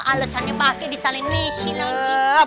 alesannya pake disalin mishy lagi